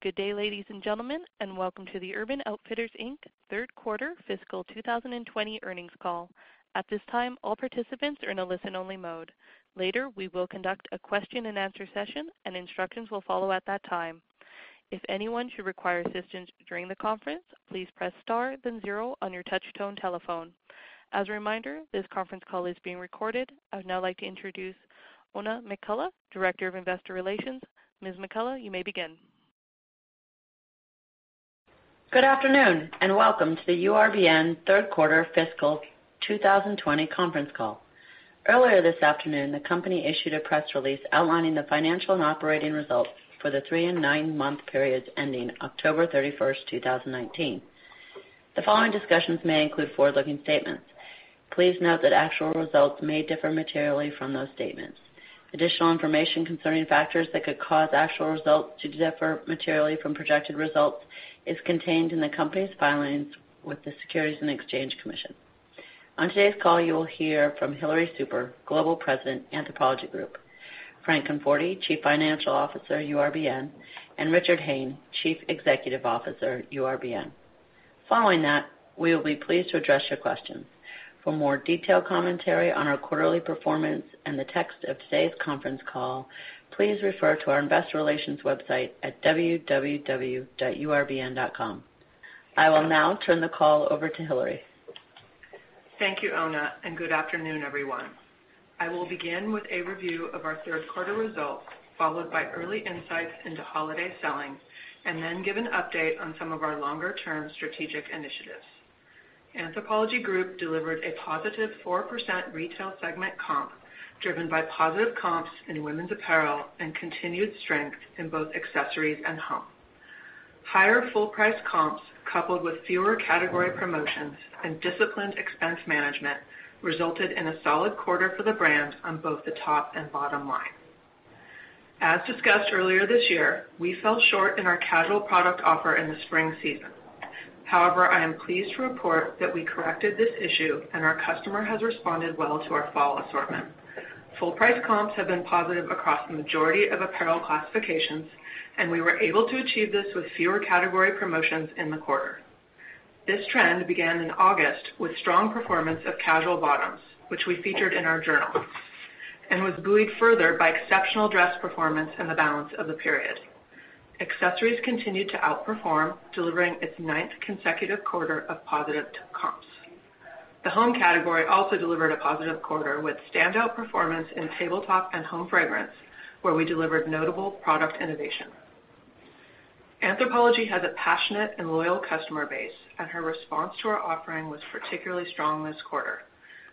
Good day, ladies and gentlemen, and welcome to the Urban Outfitters, Inc. third quarter fiscal 2020 earnings call. At this time, all participants are in a listen-only mode. Later, we will conduct a question and answer session, and instructions will follow at that time. If anyone should require assistance during the conference, please press star then zero on your touch-tone telephone. As a reminder, this conference call is being recorded. I would now like to introduce Oona McCullough, Director of Investor Relations. Ms. McCullough, you may begin. Good afternoon, welcome to the URBN third quarter fiscal 2020 conference call. Earlier this afternoon, the company issued a press release outlining the financial and operating results for the three and nine-month periods ending October 31, 2019. The following discussions may include forward-looking statements. Please note that actual results may differ materially from those statements. Additional information concerning factors that could cause actual results to differ materially from projected results is contained in the company's filings with the Securities and Exchange Commission. On today's call, you will hear from Hillary Super, Global President, Anthropologie Group, Frank Conforti, Chief Financial Officer, URBN, and Richard Hayne, Chief Executive Officer, URBN. Following that, we will be pleased to address your questions. For more detailed commentary on our quarterly performance and the text of today's conference call, please refer to our investor relations website at www.urbn.com. I will now turn the call over to Hillary. Thank you, Oona, good afternoon, everyone. I will begin with a review of our third quarter results, followed by early insights into holiday selling, and then give an update on some of our longer-term strategic initiatives. Anthropologie Group delivered a positive 4% retail segment comp, driven by positive comps in women's apparel and continued strength in both accessories and home. Higher full-price comps, coupled with fewer category promotions and disciplined expense management, resulted in a solid quarter for the brand on both the top and bottom line. As discussed earlier this year, we fell short in our casual product offer in the spring season. However, I am pleased to report that we corrected this issue and our customer has responded well to our fall assortment. Full-price comps have been positive across the majority of apparel classifications, and we were able to achieve this with fewer category promotions in the quarter. This trend began in August with strong performance of casual bottoms, which we featured in our journal, and was buoyed further by exceptional dress performance in the balance of the period. Accessories continued to outperform, delivering its ninth consecutive quarter of positive comps. The home category also delivered a positive quarter with standout performance in tabletop and home fragrance, where we delivered notable product innovation. Anthropologie has a passionate and loyal customer base, and her response to our offering was particularly strong this quarter.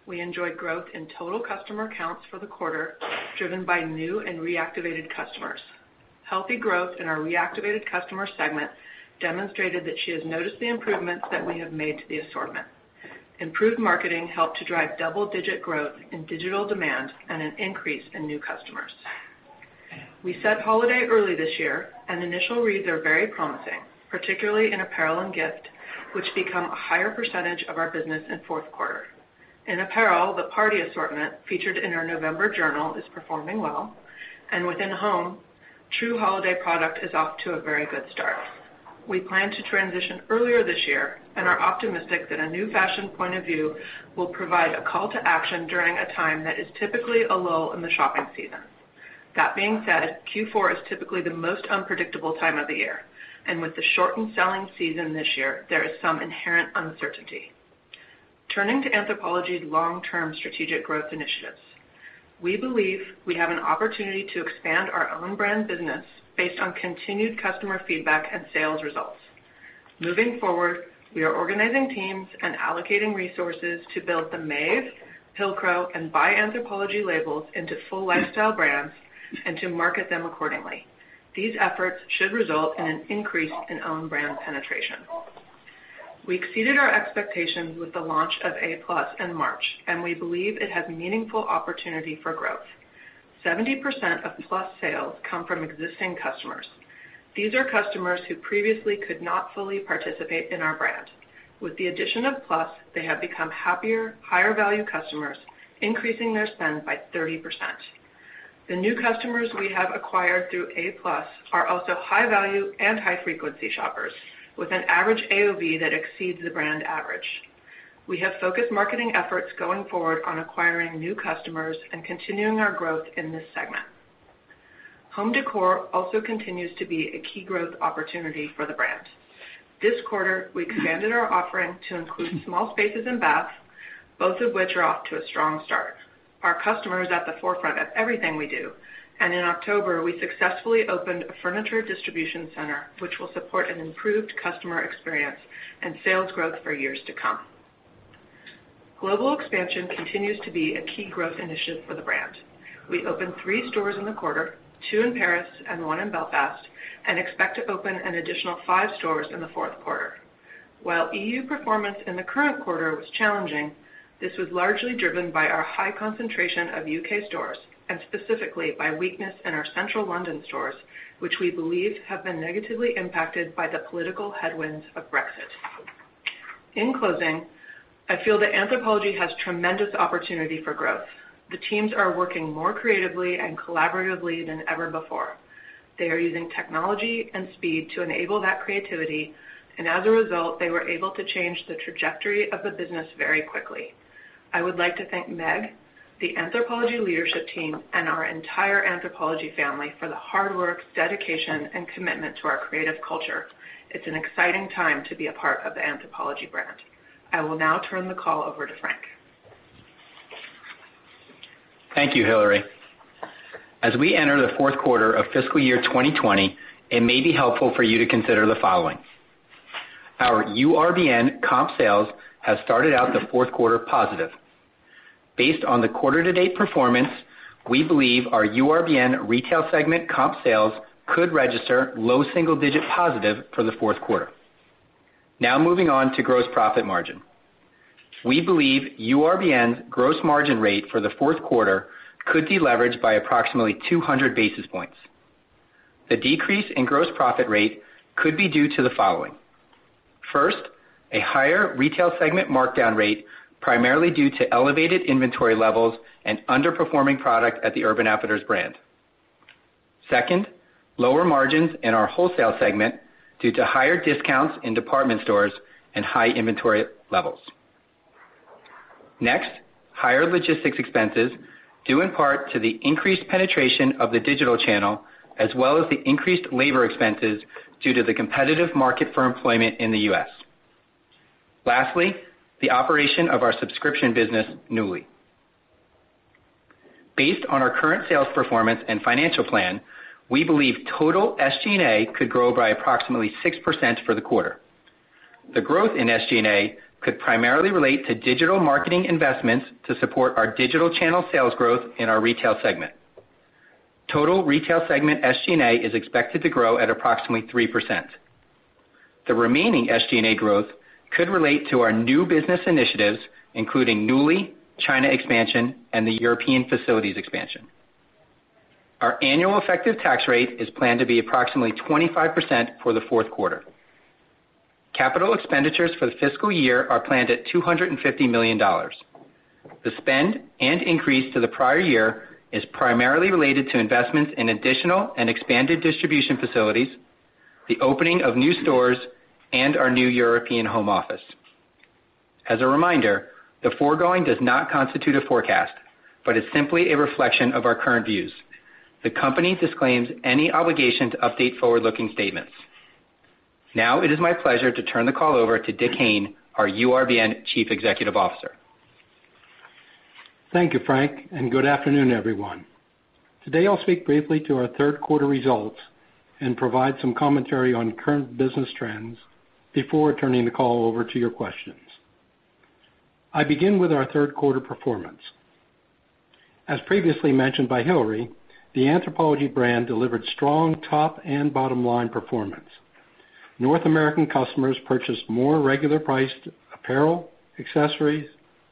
We enjoyed growth in total customer counts for the quarter, driven by new and reactivated customers. Healthy growth in our reactivated customer segment demonstrated that she has noticed the improvements that we have made to the assortment. Improved marketing helped to drive double-digit growth in digital demand and an increase in new customers. We set holiday early this year, initial reads are very promising, particularly in apparel and gift, which become a higher percentage of our business in fourth quarter. In apparel, the party assortment featured in our November journal is performing well. Within home, true holiday product is off to a very good start. We plan to transition earlier this year and are optimistic that a new fashion point of view will provide a call to action during a time that is typically a lull in the shopping season. That being said, Q4 is typically the most unpredictable time of the year. With the shortened selling season this year, there is some inherent uncertainty. Turning to Anthropologie's long-term strategic growth initiatives. We believe we have an opportunity to expand our own brand business based on continued customer feedback and sales results. Moving forward, we are organizing teams and allocating resources to build the Maeve, Pilcrow, and By Anthropologie labels into full lifestyle brands and to market them accordingly. These efforts should result in an increase in own brand penetration. We exceeded our expectations with the launch of A+ in March, and we believe it has meaningful opportunity for growth. 70% of A+ sales come from existing customers. These are customers who previously could not fully participate in our brand. With the addition of A+, they have become happier, higher-value customers, increasing their spend by 30%. The new customers we have acquired through A+ are also high-value and high-frequency shoppers with an average AOV that exceeds the brand average. We have focused marketing efforts going forward on acquiring new customers and continuing our growth in this segment. Home decor also continues to be a key growth opportunity for the brand. This quarter, we expanded our offering to include small spaces and baths, both of which are off to a strong start. Our customer is at the forefront of everything we do. In October, we successfully opened a furniture distribution center, which will support an improved customer experience and sales growth for years to come. Global expansion continues to be a key growth initiative for the brand. We opened three stores in the quarter, two in Paris and one in Belfast, and expect to open an additional five stores in the fourth quarter. While E.U. performance in the current quarter was challenging, this was largely driven by our high concentration of U.K. stores, and specifically by weakness in our Central London stores, which we believe have been negatively impacted by the political headwinds of Brexit. In closing, I feel that Anthropologie has tremendous opportunity for growth. The teams are working more creatively and collaboratively than ever before. They are using technology and speed to enable that creativity, and as a result, they were able to change the trajectory of the business very quickly. I would like to thank Meg, the Anthropologie leadership team, and our entire Anthropologie family for the hard work, dedication, and commitment to our creative culture. It's an exciting time to be a part of the Anthropologie brand. I will now turn the call over to Frank. Thank you, Hillary. As we enter the fourth quarter of fiscal year 2020, it may be helpful for you to consider the following. Our URBN comp sales have started out the fourth quarter positive. Based on the quarter-to-date performance, we believe our URBN retail segment comp sales could register low single-digit positive for the fourth quarter. Moving on to gross profit margin. We believe URBN's gross margin rate for the fourth quarter could deleverage by approximately 200 basis points. The decrease in gross profit rate could be due to the following. First, a higher retail segment markdown rate, primarily due to elevated inventory levels and underperforming product at the Urban Outfitters brand. Second, lower margins in our wholesale segment due to higher discounts in department stores and high inventory levels. Next, higher logistics expenses due in part to the increased penetration of the digital channel, as well as the increased labor expenses due to the competitive market for employment in the U.S. Lastly, the operation of our subscription business, Nuuly. Based on our current sales performance and financial plan, we believe total SG&A could grow by approximately 6% for the quarter. The growth in SG&A could primarily relate to digital marketing investments to support our digital channel sales growth in our retail segment. Total retail segment SG&A is expected to grow at approximately 3%. The remaining SG&A growth could relate to our new business initiatives, including Nuuly, China expansion, and the European facilities expansion. Our annual effective tax rate is planned to be approximately 25% for the fourth quarter. Capital expenditures for the fiscal year are planned at $250 million. The spend and increase to the prior year is primarily related to investments in additional and expanded distribution facilities, the opening of new stores, and our new European home office. As a reminder, the foregoing does not constitute a forecast, but is simply a reflection of our current views. The company disclaims any obligation to update forward-looking statements. It is my pleasure to turn the call over to Dick Hayne, our URBN Chief Executive Officer. Thank you, Frank. Good afternoon, everyone. Today, I'll speak briefly to our third quarter results and provide some commentary on current business trends before turning the call over to your questions. I begin with our third quarter performance. As previously mentioned by Hillary, the Anthropologie brand delivered strong top and bottom-line performance. North American customers purchased more regular priced apparel, accessories,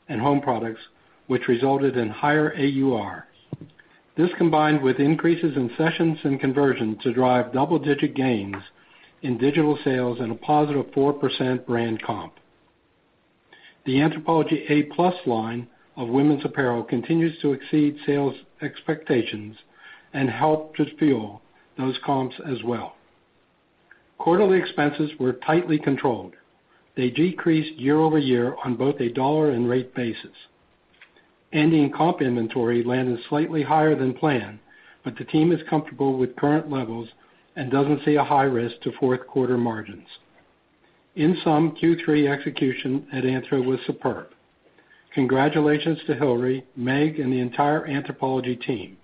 and home products, which resulted in higher AUR. This combined with increases in sessions and conversion to drive double-digit gains in digital sales and a positive 4% brand comp. The Anthropologie A+ line of women's apparel continues to exceed sales expectations and helped to fuel those comps as well. Quarterly expenses were tightly controlled. They decreased year-over-year on both a dollar and rate basis. Ending comp inventory landed slightly higher than planned, but the team is comfortable with current levels and doesn't see a high risk to fourth-quarter margins. In sum, Q3 execution at Anthro was superb. Congratulations to Hillary, Meg, and the entire Anthropologie team.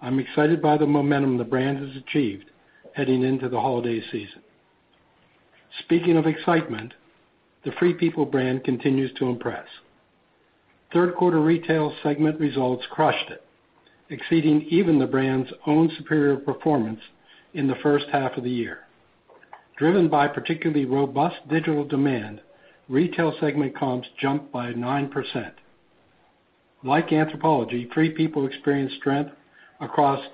I'm excited by the momentum the brand has achieved heading into the holiday season. Speaking of excitement, the Free People brand continues to impress. Third-quarter retail segment results crushed it, exceeding even the brand's own superior performance in the first half of the year. Driven by particularly robust digital demand, retail segment comps jumped by 9%. Like Anthropologie, Free People experienced strength across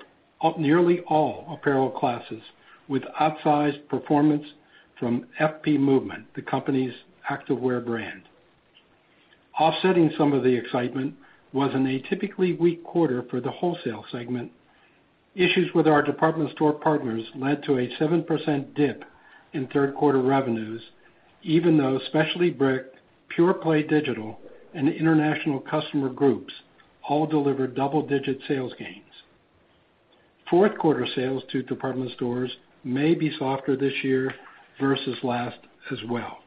nearly all apparel classes, with outsized performance from FP Movement, the company's activewear brand. Offsetting some of the excitement was in a typically weak quarter for the wholesale segment. Issues with our department store partners led to a 7% dip in third-quarter revenues, even though specialty brick, pure play digital, and international customer groups all delivered double-digit sales gains. Fourth quarter sales to department stores may be softer this year versus last as well.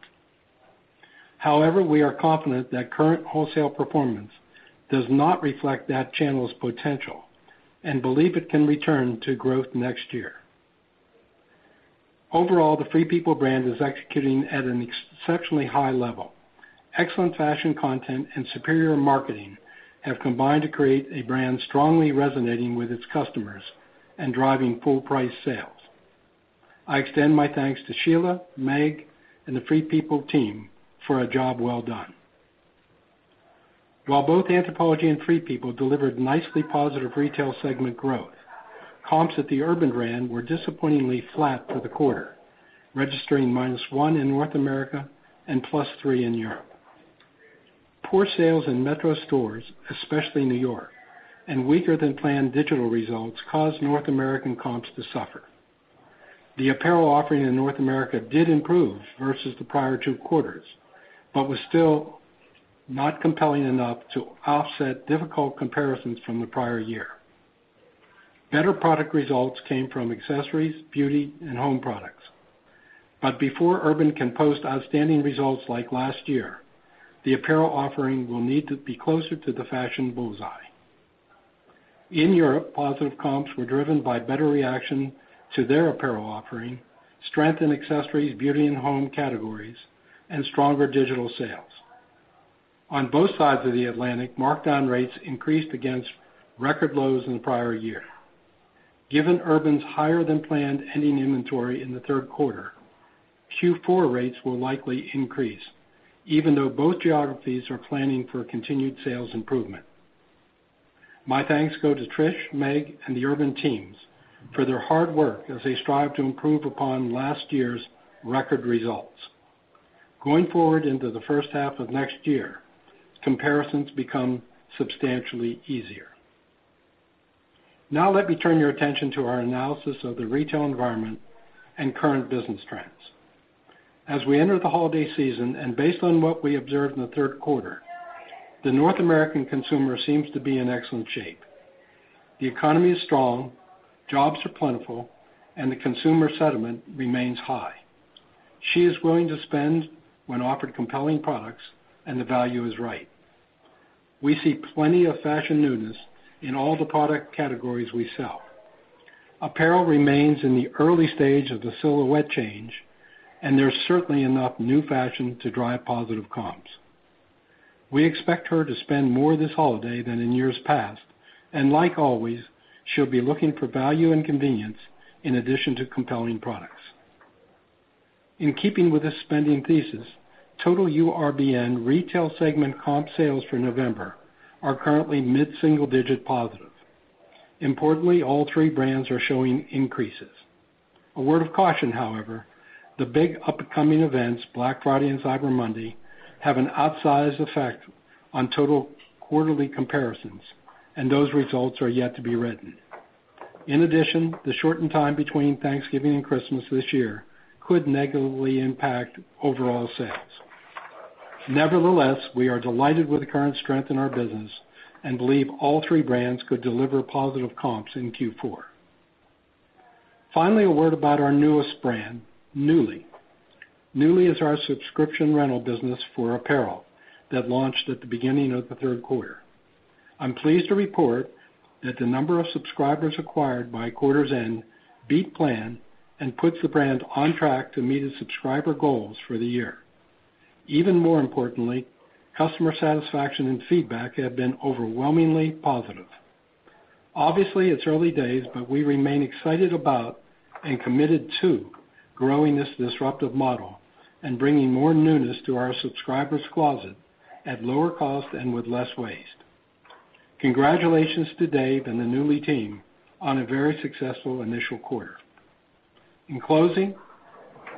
However, we are confident that current wholesale performance does not reflect that channel's potential and believe it can return to growth next year. Overall, the Free People brand is executing at an exceptionally high level. Excellent fashion content and superior marketing have combined to create a brand strongly resonating with its customers and driving full-price sales. I extend my thanks to Sheila, Meg, and the Free People team for a job well done. Both Anthropologie and Free People delivered nicely positive retail segment growth, comps at the Urban brand were disappointingly flat for the quarter, registering -1 in North America and +3 in Europe. Poor sales in metro stores, especially New York, and weaker than planned digital results caused North American comps to suffer. The apparel offering in North America did improve versus the prior two quarters, but was still not compelling enough to offset difficult comparisons from the prior year. Better product results came from accessories, beauty, and home products. Before Urban can post outstanding results like last year, the apparel offering will need to be closer to the fashion bullseye. In Europe, positive comps were driven by better reaction to their apparel offering, strength in accessories, beauty, and home categories, and stronger digital sales. On both sides of the Atlantic, markdown rates increased against record lows in the prior year. Given Urban's higher-than-planned ending inventory in the third quarter, Q4 rates will likely increase, even though both geographies are planning for continued sales improvement. My thanks go to Trish, Meg, and the Urban teams for their hard work as they strive to improve upon last year's record results. Going forward into the first half of next year, comparisons become substantially easier. Now let me turn your attention to our analysis of the retail environment and current business trends. As we enter the holiday season and based on what we observed in the third quarter, the North American consumer seems to be in excellent shape. The economy is strong, jobs are plentiful, and the consumer sentiment remains high. She is willing to spend when offered compelling products and the value is right. We see plenty of fashion newness in all the product categories we sell. Apparel remains in the early stage of the silhouette change, and there's certainly enough new fashion to drive positive comps. We expect her to spend more this holiday than in years past, and like always, she'll be looking for value and convenience in addition to compelling products. In keeping with this spending thesis, total URBN retail segment comp sales for November are currently mid-single digit positive. Importantly, all three brands are showing increases. A word of caution, however, the big upcoming events, Black Friday and Cyber Monday, have an outsized effect on total quarterly comparisons, and those results are yet to be written. In addition, the shortened time between Thanksgiving and Christmas this year could negatively impact overall sales. Nevertheless, we are delighted with the current strength in our business and believe all three brands could deliver positive comps in Q4. Finally, a word about our newest brand, Nuuly. Nuuly is our subscription rental business for apparel that launched at the beginning of the third quarter. I'm pleased to report that the number of subscribers acquired by quarter's end beat plan and puts the brand on track to meet its subscriber goals for the year. Even more importantly, customer satisfaction and feedback have been overwhelmingly positive. Obviously, it's early days, but we remain excited about and committed to growing this disruptive model and bringing more newness to our subscribers' closet at lower cost and with less waste. Congratulations to Dave and the Nuuly team on a very successful initial quarter. In closing,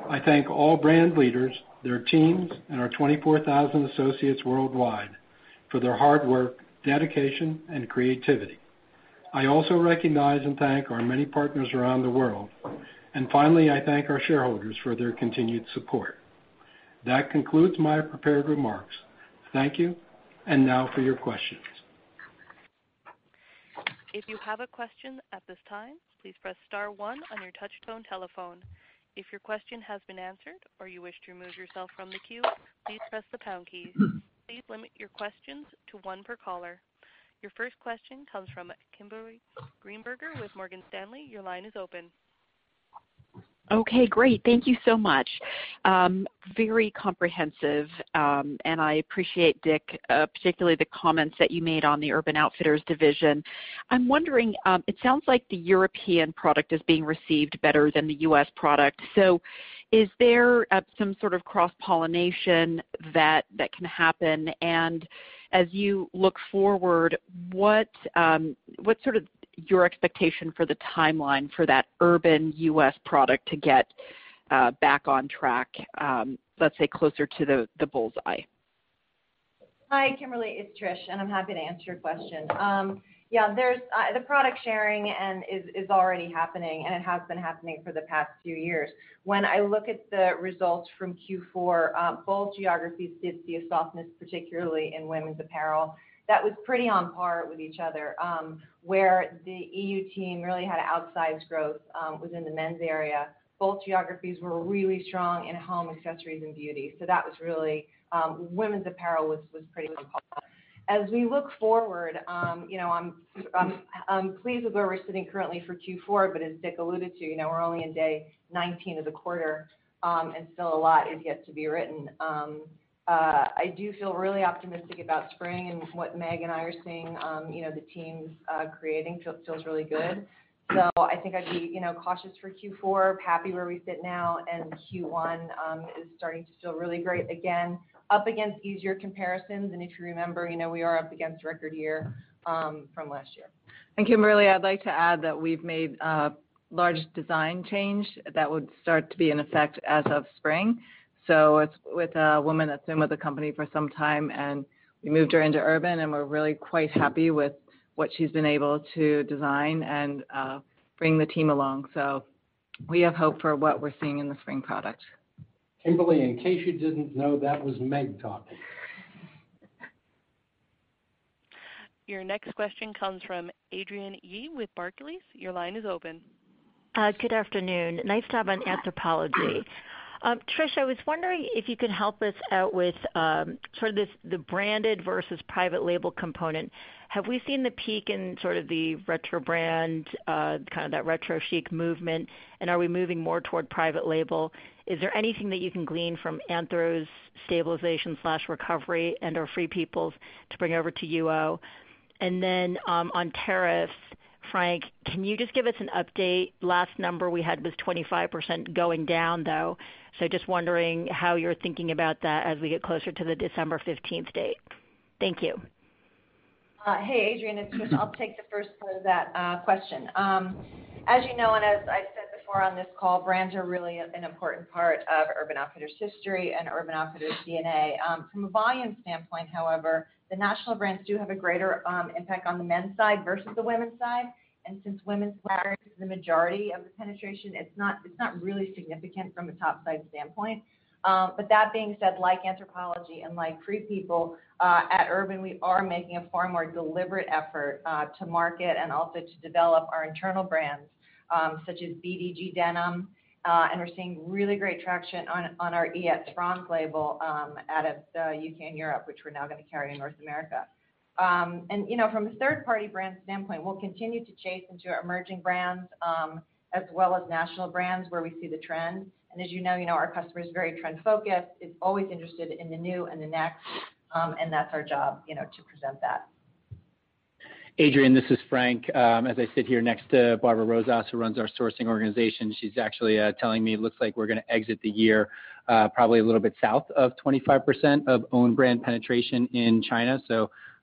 I thank all brand leaders, their teams, and our 24,000 associates worldwide for their hard work, dedication, and creativity. I also recognize and thank our many partners around the world. Finally, I thank our shareholders for their continued support. That concludes my prepared remarks. Thank you. Now for your questions. If you have a question at this time, please press star one on your touch-tone telephone. If your question has been answered or you wish to remove yourself from the queue, please press the pound key. Please limit your questions to one per caller. Your first question comes from Kimberly Greenberger with Morgan Stanley. Your line is open. Okay. Great. Thank you so much. Very comprehensive. I appreciate, Dick, particularly the comments that you made on the Urban Outfitters division. I'm wondering, it sounds like the European product is being received better than the U.S. product. Is there some sort of cross-pollination that can happen? As you look forward, what's sort of your expectation for the timeline for that Urban U.S. product to get back on track, let's say, closer to the bullseye? Hi, Kimberly, it's Trish, and I'm happy to answer your question. The product sharing is already happening, and it has been happening for the past few years. When I look at the results from Q4, both geographies did see a softness, particularly in women's apparel. That was pretty on par with each other. Where the EU team really had outsized growth was in the men's area. Both geographies were really strong in home, accessories, and beauty. Women's apparel was pretty. Thank you, Kimberly. I'd like to add that we've made. large design change that would start to be in effect as of spring. It's with a woman that's been with the company for some time, and we moved her into Urban, and we're really quite happy with what she's been able to design and bring the team along. We have hope for what we're seeing in the spring product. Kimberly, in case you didn't know, that was Meg talking. Your next question comes from Adrienne Yih with Barclays. Your line is open. Good afternoon. Nice to have on Anthropologie. Trish, I was wondering if you could help us out with the branded versus private label component. Have we seen the peak in the retro brand, that retro chic movement, and are we moving more toward private label? Is there anything that you can glean from Anthro's stabilization/recovery and/or Free People's to bring over to UO? On tariffs, Frank, can you just give us an update? Last number we had was 25% going down, though. Just wondering how you're thinking about that as we get closer to the December 15th date. Thank you. Hey, Adrienne, it's Trish. I'll take the first part of that question. As you know, and as I said before on this call, brands are really an important part of Urban Outfitters' history and Urban Outfitters' DNA. From a volume standpoint, however, the national brands do have a greater impact on the men's side versus the women's side. Since women's carries the majority of the penetration, it's not really significant from a top-side standpoint. That being said, like Anthropologie and like Free People, at Urban, we are making a far more deliberate effort to market and also to develop our internal brands, such as BDG Denim. We're seeing really great traction on our iets frans label out of the U.K. and Europe, which we're now going to carry in North America. From a third-party brand standpoint, we'll continue to chase into our emerging brands, as well as national brands where we see the trends. As you know, our customer is very trend focused, is always interested in the new and the next, and that's our job, to present that. Adrienne, this is Frank. As I sit here next to Barbara Rozsas, who runs our sourcing organization, she's actually telling me it looks like we're going to exit the year probably a little bit south of 25% of own brand penetration in China.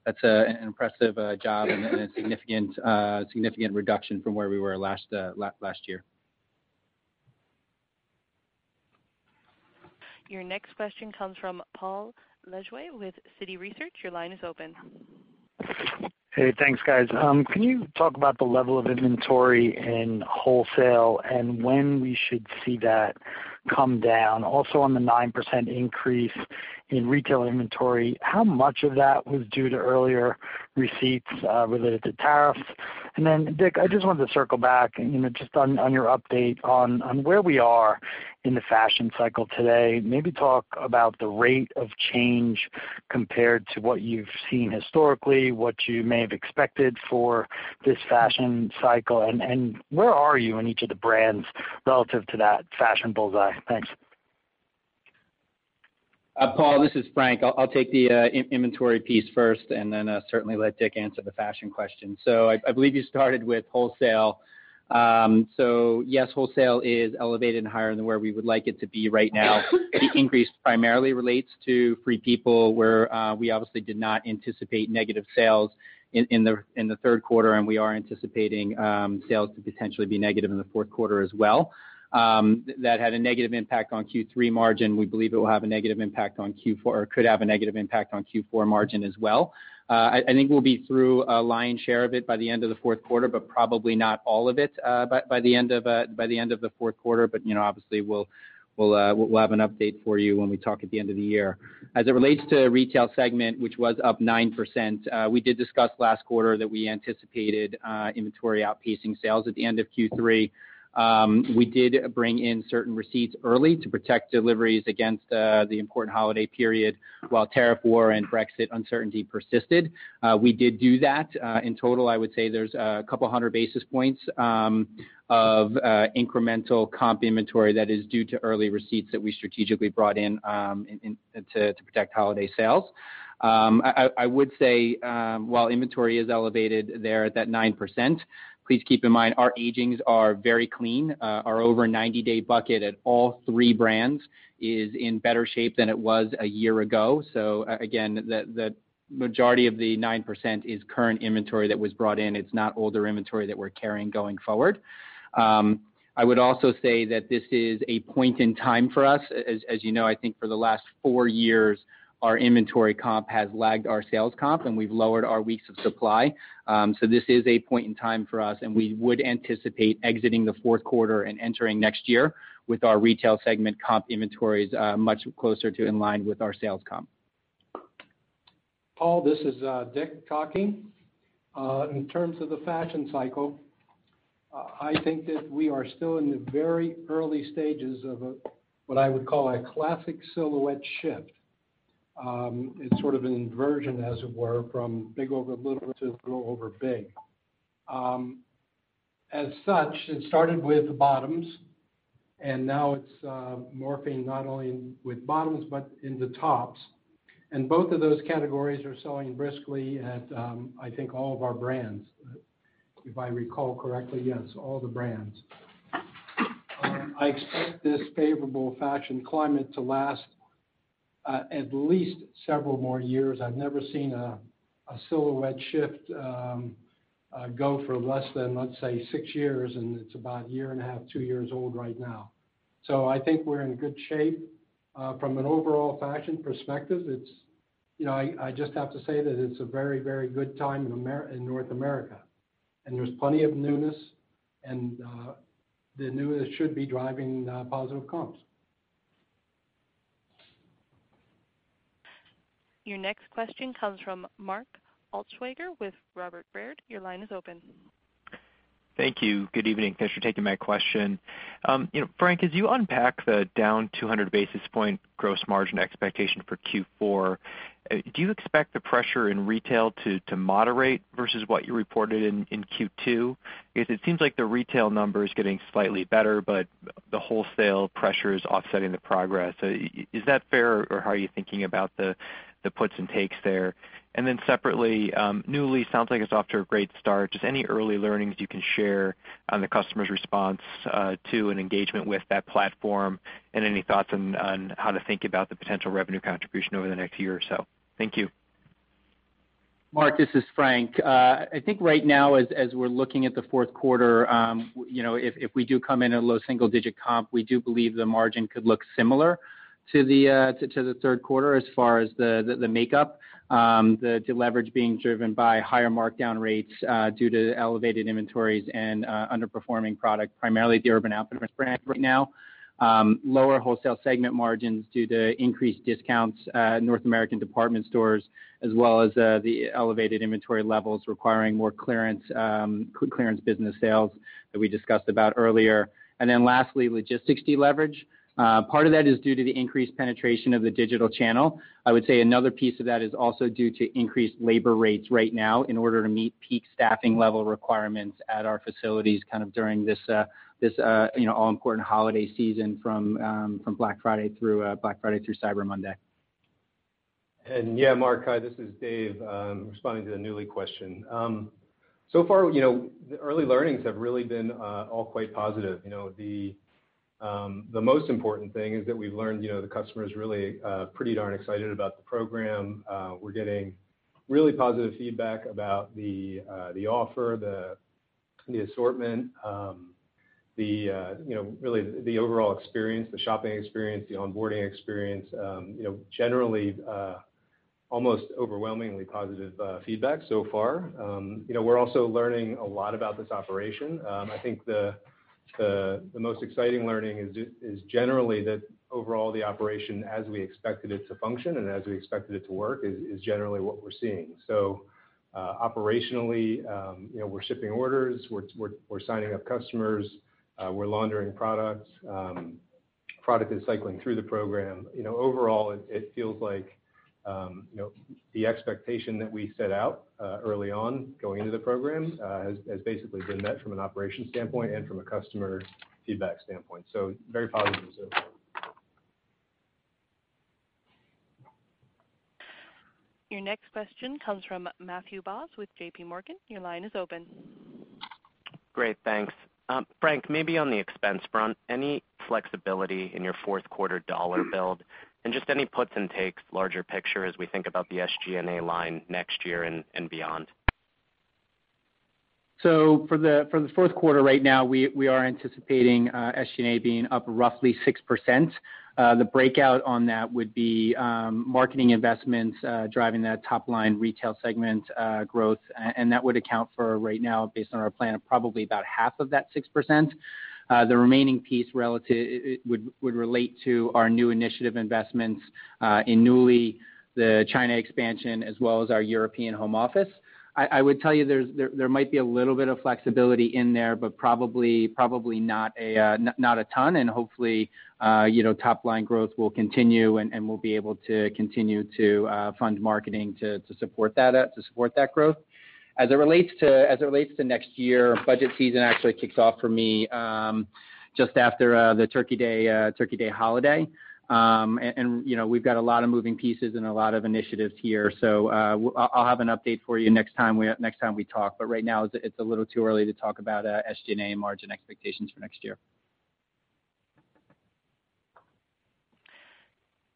That's an impressive job and a significant reduction from where we were last year. Your next question comes from Paul Lejuez with Citi Research. Your line is open. Hey, thanks guys. Can you talk about the level of inventory in wholesale and when we should see that come down? On the 9% increase in retail inventory, how much of that was due to earlier receipts related to tariffs? Dick, I just wanted to circle back just on your update on where we are in the fashion cycle today. Maybe talk about the rate of change compared to what you've seen historically, what you may have expected for this fashion cycle, and where are you in each of the brands relative to that fashion bullseye. Thanks. Paul, this is Frank. I'll take the inventory piece first and then certainly let Dick answer the fashion question. I believe you started with wholesale. Yes, wholesale is elevated and higher than where we would like it to be right now. The increase primarily relates to Free People, where we obviously did not anticipate negative sales in the third quarter, and we are anticipating sales to potentially be negative in the fourth quarter as well. That had a negative impact on Q3 margin. We believe it could have a negative impact on Q4 margin as well. I think we'll be through a lion's share of it by the end of the fourth quarter, but probably not all of it by the end of the fourth quarter. Obviously, we'll have an update for you when we talk at the end of the year. As it relates to retail segment, which was up 9%, we did discuss last quarter that we anticipated inventory outpacing sales at the end of Q3. We did bring in certain receipts early to protect deliveries against the important holiday period while tariff war and Brexit uncertainty persisted. We did do that. In total, I would say there's a couple of hundred basis points of incremental comp inventory that is due to early receipts that we strategically brought in to protect holiday sales. I would say while inventory is elevated there at that 9%, please keep in mind our agings are very clean. Our over 90-day bucket at all three brands is in better shape than it was a year ago. Again, the majority of the 9% is current inventory that was brought in. It's not older inventory that we're carrying going forward. I would also say that this is a point in time for us. As you know, I think for the last four years, our inventory comp has lagged our sales comp, and we've lowered our weeks of supply. This is a point in time for us, and we would anticipate exiting the fourth quarter and entering next year with our retail segment comp inventories much closer to in line with our sales comp. Paul, this is Dick talking. In terms of the fashion cycle, I think that we are still in the very early stages of what I would call a classic silhouette shift. It's sort of an inversion, as it were, from big over little to little over big. As such, it started with the bottoms, and now it's morphing not only with bottoms but in the tops. Both of those categories are selling briskly at, I think, all of our brands. If I recall correctly, yes, all the brands. I expect this favorable fashion climate to last at least several more years. I've never seen a silhouette shift go for less than, let's say, six years, and it's about a year and a half, two years old right now. So I think we're in good shape. From an overall fashion perspective, I just have to say that it's a very good time in North America. There's plenty of newness, and the newness should be driving positive comps. Your next question comes from Mark Altschwager with Robert Baird. Your line is open. Thank you. Good evening. Thanks for taking my question. Frank, as you unpack the down 200 basis point gross margin expectation for Q4, do you expect the pressure in retail to moderate versus what you reported in Q2? It seems like the retail number is getting slightly better, but the wholesale pressure is offsetting the progress. Is that fair, or how are you thinking about the puts and takes there? Separately, Nuuly sounds like it's off to a great start. Just any early learnings you can share on the customer's response to an engagement with that platform, and any thoughts on how to think about the potential revenue contribution over the next year or so. Thank you. Mark, this is Frank. I think right now, as we're looking at the fourth quarter, if we do come in at a low single-digit comp, we do believe the margin could look similar to the third quarter as far as the makeup. The deleverage being driven by higher markdown rates due to elevated inventories and underperforming product, primarily at the Urban Outfitters brand right now. Lower wholesale segment margins due to increased discounts at North American department stores, as well as the elevated inventory levels requiring more clearance business sales that we discussed about earlier. Lastly, logistics deleverage. Part of that is due to the increased penetration of the digital channel. I would say another piece of that is also due to increased labor rates right now in order to meet peak staffing level requirements at our facilities during this all-important holiday season from Black Friday through Cyber Monday. Yeah, Mark, hi, this is Dave. Responding to the Nuuly question. Far, the early learnings have really been all quite positive. The most important thing is that we've learned the customer is really pretty darn excited about the program. We're getting really positive feedback about the offer, the assortment, really the overall experience, the shopping experience, the onboarding experience. Generally, almost overwhelmingly positive feedback so far. We're also learning a lot about this operation. I think the most exciting learning is generally that overall the operation, as we expected it to function and as we expected it to work, is generally what we're seeing. Operationally, we're shipping orders, we're signing up customers, we're laundering products. Product is cycling through the program. Overall, it feels like the expectation that we set out early on going into the program has basically been met from an operations standpoint and from a customer feedback standpoint. Very positive so far. Your next question comes from Matthew Boss with JP Morgan. Your line is open. Great. Thanks. Frank, maybe on the expense front, any flexibility in your fourth quarter dollar build? Just any puts and takes, larger picture, as we think about the SG&A line next year and beyond. For the fourth quarter right now, we are anticipating SG&A being up roughly 6%. The breakout on that would be marketing investments driving that top-line retail segment growth. That would account for, right now, based on our plan, probably about half of that 6%. The remaining piece would relate to our new initiative investments in Nuuly, the China expansion, as well as our European home office. I would tell you there might be a little bit of flexibility in there, but probably not a ton. Hopefully, top-line growth will continue, and we'll be able to continue to fund marketing to support that growth. As it relates to next year, budget season actually kicks off for me just after the Turkey Day holiday. We've got a lot of moving pieces and a lot of initiatives here. I'll have an update for you next time we talk, but right now, it's a little too early to talk about SG&A margin expectations for next year.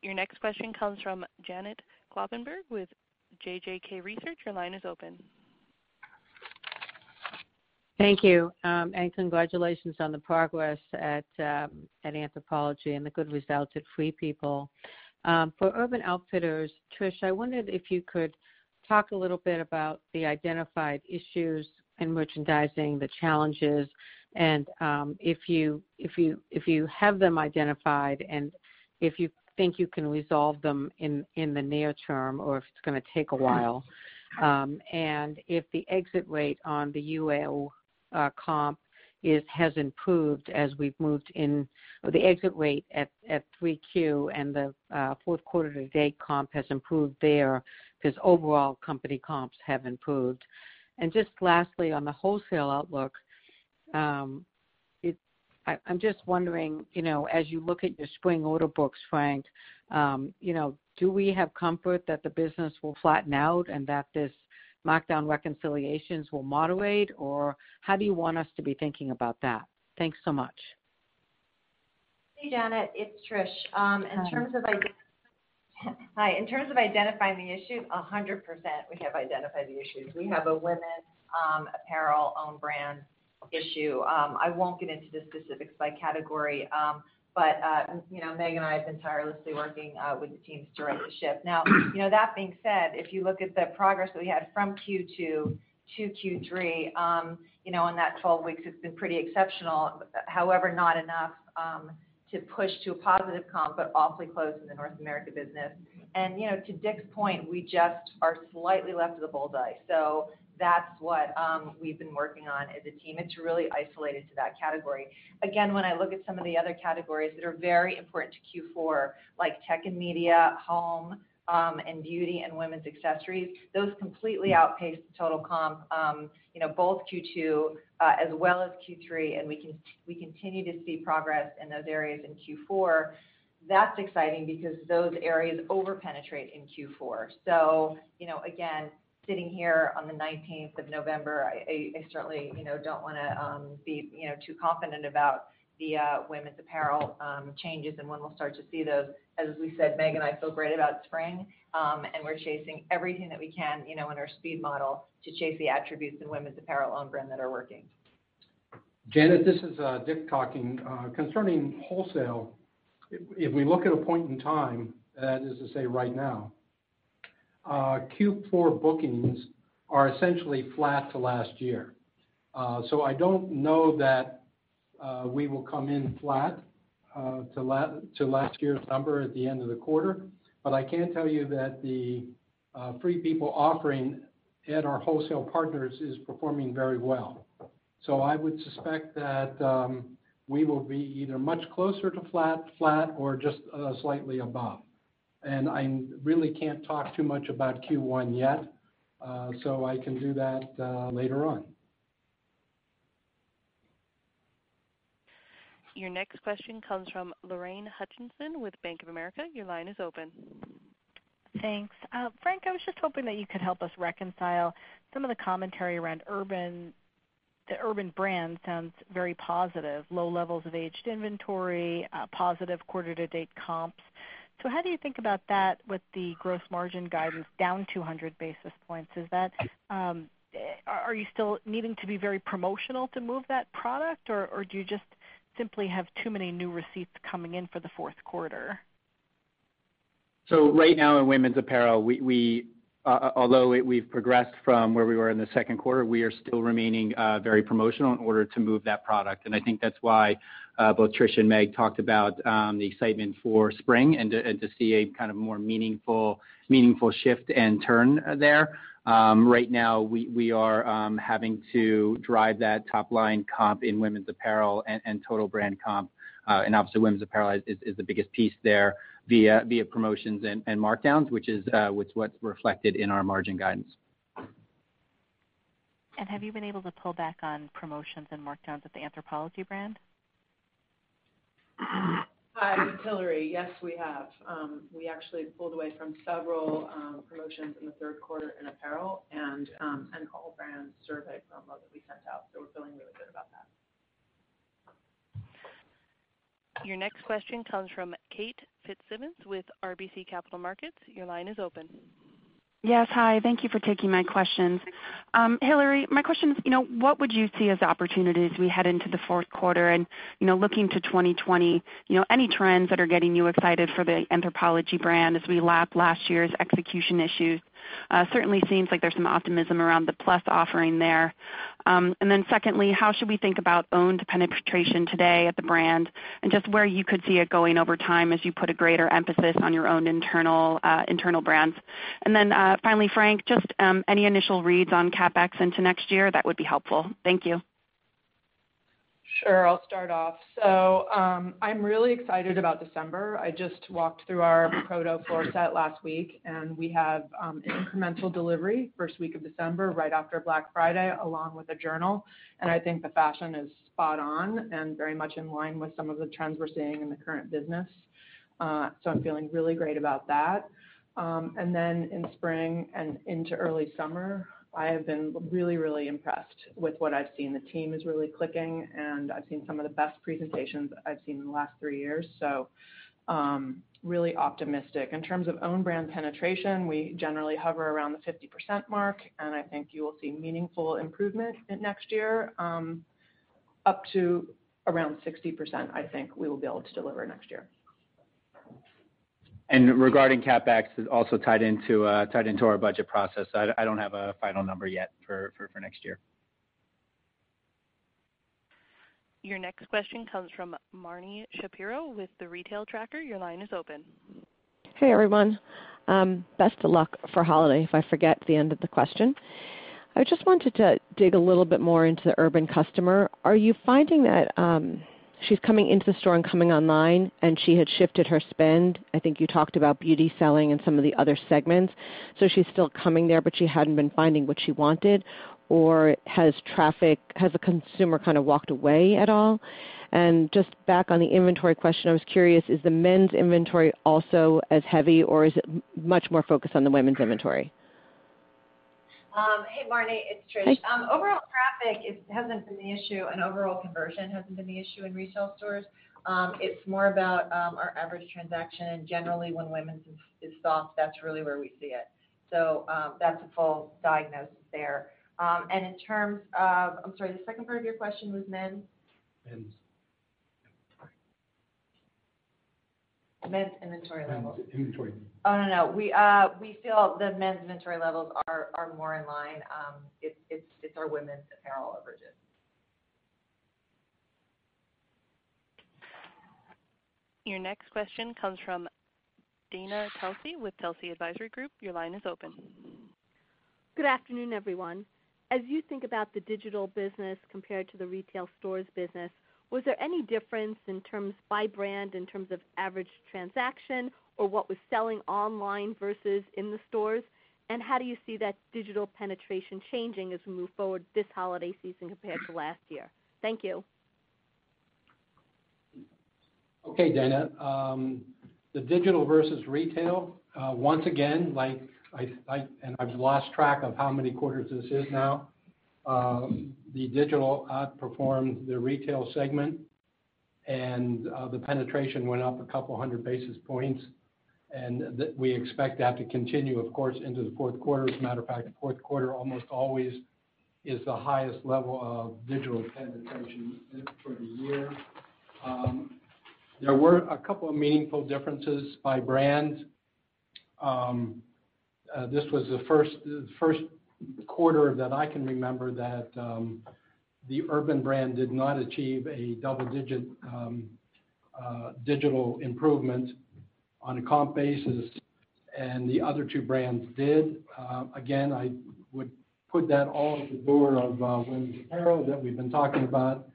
Your next question comes from Janet Kloppenburg with JJK Research. Your line is open. Thank you. Congratulations on the progress at Anthropologie and the good results at Free People. For Urban Outfitters, Trish, I wondered if you could talk a little bit about the identified issues in merchandising, the challenges, and if you have them identified and if you think you can resolve them in the near term or if it's going to take a while. If the exit rate on the UO comp has improved, or the exit rate at 3Q and the fourth quarter-to-date comp has improved there because overall company comps have improved. Just lastly, on the wholesale outlook, I'm just wondering, as you look at your spring order books, Frank, do we have comfort that the business will flatten out and that this markdown reconciliations will moderate, or how do you want us to be thinking about that? Thanks so much. Hey Janet, it's Trish. Hi. In terms of identifying the issues, 100% we have identified the issues. We have a women's apparel own brand issue. I won't get into the specifics by category. Meg and I have been tirelessly working with the teams during the shift. That being said, if you look at the progress that we had from Q2 to Q3, in that 12 weeks it's been pretty exceptional. Not enough to push to a positive comp, but awfully close in the North America business. To Dick's point, we just are slightly left of the bullseye. That's what we've been working on as a team. It's really isolated to that category. When I look at some of the other categories that are very important to Q4, like tech and media, home, and beauty, and women's accessories, those completely outpaced the total comp, both Q2 as well as Q3. We continue to see progress in those areas in Q4. That's exciting because those areas over-penetrate in Q4. Again, sitting here on the 19th of November, I certainly don't want to be too confident about the women's apparel changes and when we'll start to see those. As we said, Meg and I feel great about spring, we're chasing everything that we can in our speed model to chase the attributes in women's apparel own brand that are working. Janet, this is Dick talking. Concerning wholesale, if we look at a point in time, that is to say right now, Q4 bookings are essentially flat to last year. I don't know that we will come in flat to last year's number at the end of the quarter. I can tell you that the Free People offering at our wholesale partners is performing very well. I would suspect that we will be either much closer to flat, or just slightly above. I really can't talk too much about Q1 yet. I can do that later on. Your next question comes from Lorraine Hutchinson with Bank of America. Your line is open. Thanks. Frank, I was just hoping that you could help us reconcile some of the commentary around Urban. The Urban brand sounds very positive, low levels of aged inventory, positive quarter to date comps. How do you think about that with the gross margin guidance down 200 basis points? Are you still needing to be very promotional to move that product, or do you just simply have too many new receipts coming in for the fourth quarter? Right now in women's apparel, although we've progressed from where we were in the second quarter, we are still remaining very promotional in order to move that product. I think that's why both Trish and Meg talked about the excitement for spring and to see a more meaningful shift and turn there. Right now, we are having to drive that top-line comp in women's apparel and total brand comp. Obviously, women's apparel is the biggest piece there via promotions and markdowns, which is what's reflected in our margin guidance. Have you been able to pull back on promotions and markdowns at the Anthropologie brand? Hi, it's Hillary. Yes, we have. We actually pulled away from several promotions in the third quarter in apparel and all-brands sitewide promo that we sent out. We're feeling really good about that. Your next question comes from Kate Fitzsimons with RBC Capital Markets. Your line is open. Yes, hi. Thank you for taking my questions. Hillary, my question is, what would you see as opportunities we head into the fourth quarter and, looking to 2020, any trends that are getting you excited for the Anthropologie brand as we lap last year's execution issues? Certainly seems like there's some optimism around the plus offering there. Secondly, how should we think about owned penetration today at the brand, and just where you could see it going over time as you put a greater emphasis on your own internal brands? Finally Frank, just any initial reads on CapEx into next year, that would be helpful. Thank you. Sure. I'll start off. I'm really excited about December. I just walked through our proto forecast last week, and we have incremental delivery first week of December, right after Black Friday, along with a journal. I think the fashion is spot on and very much in line with some of the trends we're seeing in the current business. I'm feeling really great about that. In spring and into early summer, I have been really, really impressed with what I've seen. The team is really clicking, and I've seen some of the best presentations I've seen in the last three years. Really optimistic. In terms of own brand penetration, we generally hover around the 50% mark, and I think you will see meaningful improvement next year. Up to around 60%, I think we will be able to deliver next year. Regarding CapEx, it's also tied into our budget process. I don't have a final number yet for next year. Your next question comes from Marni Shapiro with The Retail Tracker. Your line is open. Hey everyone. Best of luck for holiday, if I forget at the end of the question. I just wanted to dig a little bit more into the Urban customer. Are you finding that she's coming into the store and coming online, and she had shifted her spend? I think you talked about beauty selling in some of the other segments. So she's still coming there, but she hadn't been finding what she wanted. Or has a consumer walked away at all? Just back on the inventory question, I was curious, is the men's inventory also as heavy, or is it much more focused on the women's inventory? Hey, Marni, it's Trish. Hi. Overall traffic hasn't been the issue, and overall conversion hasn't been the issue in retail stores. It's more about our average transaction, and generally, when women's is soft, that's really where we see it. That's a full diagnosis there. In terms of I'm sorry, the second part of your question was men? Men's. Men's inventory levels. Inventory. Oh, no. We feel the men's inventory levels are more in line. It's our women's apparel averages. Your next question comes from Dana Telsey with Telsey Advisory Group. Your line is open. Good afternoon, everyone. As you think about the digital business compared to the retail stores business, was there any difference by brand in terms of average transaction or what was selling online versus in the stores? How do you see that digital penetration changing as we move forward this holiday season compared to last year? Thank you. Okay, Dana. The digital versus retail, once again. I've lost track of how many quarters this is now. The digital outperformed the retail segment, and the penetration went up a couple 100 basis points. We expect that to continue, of course, into the fourth quarter. As a matter of fact, the fourth quarter almost always is the highest level of digital penetration for the year. There were a couple of meaningful differences by brand. This was the first quarter that I can remember that the Urban brand did not achieve a double-digit digital improvement on a comp basis, and the other two brands did. Again, I would put that all at the door of women's apparel that we've been talking about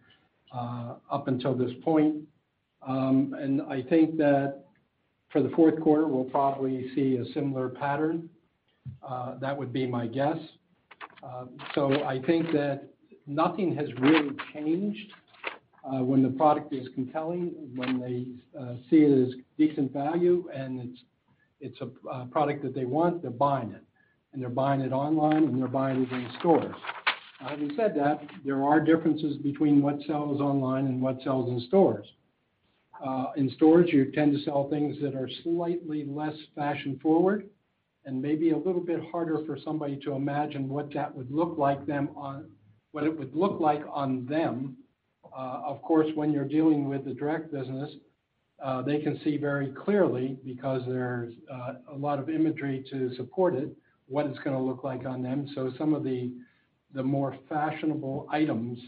up until this point. I think that for the fourth quarter, we'll probably see a similar pattern. That would be my guess. I think that nothing has really changed. When the product is compelling, when they see it as decent value, and it's a product that they want, they're buying it, and they're buying it online, and they're buying it in stores. Having said that, there are differences between what sells online and what sells in stores. In stores, you tend to sell things that are slightly less fashion-forward and may be a little bit harder for somebody to imagine what it would look like on them. Of course, when you're dealing with the direct business, they can see very clearly because there's a lot of imagery to support it, what it's going to look like on them. Some of the more fashionable items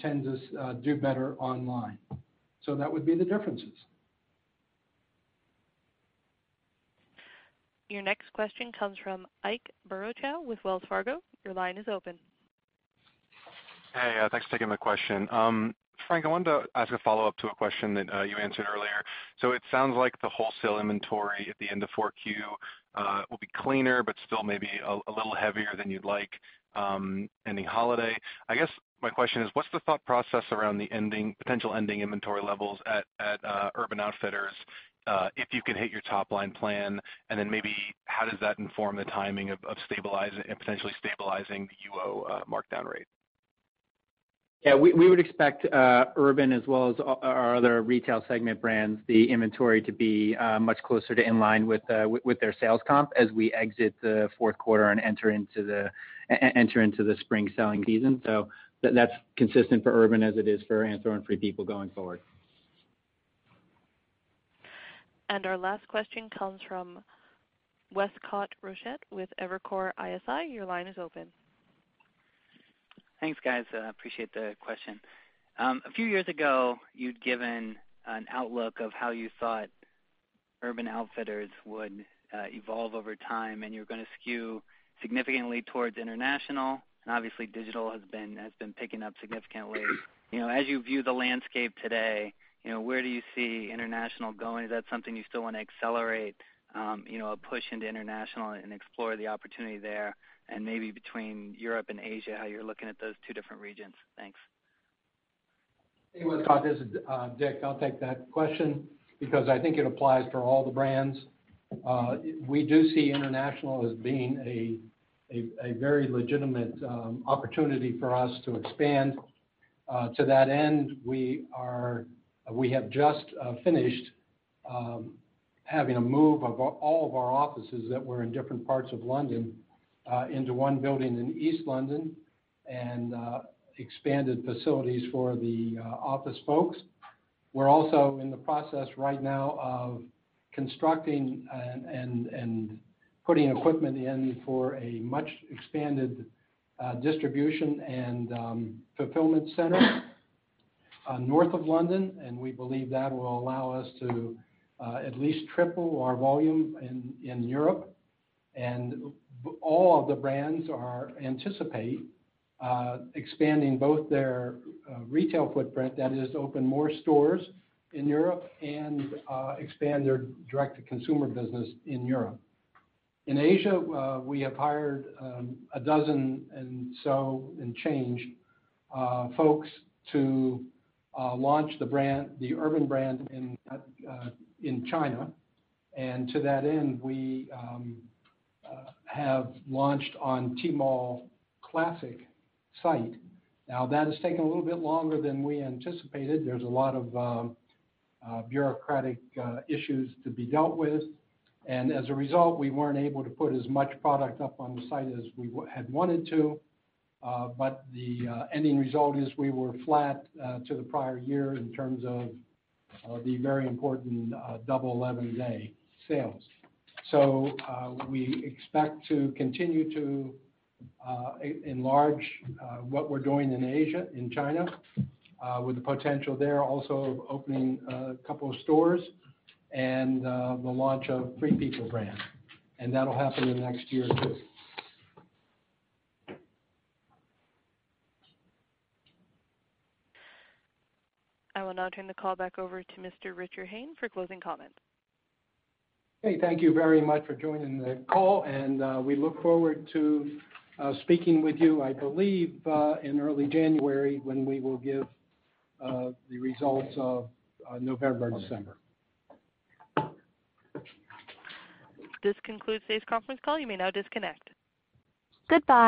tend to do better online. That would be the differences. Your next question comes from Ike Boruchow with Wells Fargo. Your line is open. Hey. Thanks for taking my question. Frank, I wanted to ask a follow-up to a question that you answered earlier. It sounds like the wholesale inventory at the end of four Q will be cleaner but still maybe a little heavier than you'd like ending Holiday. I guess my question is, what's the thought process around the potential ending inventory levels at Urban Outfitters if you can hit your top-line plan? Maybe how does that inform the timing of potentially stabilizing the UO markdown rate? We would expect Urban Outfitters as well as our other retail segment brands, the inventory to be much closer to in line with their sales comp as we exit the fourth quarter and enter into the spring selling season. That's consistent for Urban Outfitters as it is for Anthro and Free People going forward. Our last question comes from Westcott Rochette with Evercore ISI. Your line is open. Thanks, guys. I appreciate the question. A few years ago, you'd given an outlook of how you thought Urban Outfitters would evolve over time, and you were going to skew significantly towards international, and obviously, digital has been picking up significantly. As you view the landscape today, where do you see international going? Is that something you still want to accelerate, a push into international and explore the opportunity there, and maybe between Europe and Asia, how you're looking at those two different regions? Thanks. Hey, Westcott, this is Dick. I'll take that question because I think it applies to all the brands. We do see international as being a very legitimate opportunity for us to expand. To that end, we have just finished having a move of all of our offices that were in different parts of London into one building in East London and expanded facilities for the office folks. We're also in the process right now of constructing and putting equipment in for a much expanded distribution and fulfillment center north of London. We believe that will allow us to at least triple our volume in Europe. All of the brands anticipate expanding both their retail footprint, that is, open more stores in Europe, and expand their direct-to-consumer business in Europe. In Asia, we have hired a dozen and change folks to launch the Urban brand in China. To that end, we have launched on Tmall Global site. That has taken a little bit longer than we anticipated. There's a lot of bureaucratic issues to be dealt with. As a result, we weren't able to put as much product up on the site as we had wanted to. The ending result is we were flat to the prior year in terms of the very important Double 11 Day sales. We expect to continue to enlarge what we're doing in Asia, in China, with the potential there also of opening a couple of stores and the launch of Free People brand. That'll happen in the next year, too. I will now turn the call back over to Mr. Richard Hayne for closing comments. Hey, thank you very much for joining the call. We look forward to speaking with you, I believe, in early January, when we will give the results of November and December. This concludes today's conference call. You may now disconnect. Goodbye.